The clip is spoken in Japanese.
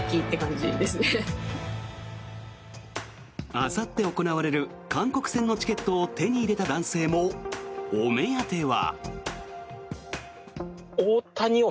あさって行われる韓国戦のチケットを手に入れた男性もお目当ては。